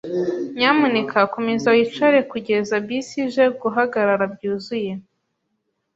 Nyamuneka komeza wicare kugeza bisi ije guhagarara byuzuye.